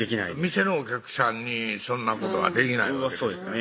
店のお客さんにそんなことはできないそうですね